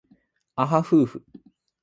あはふうふ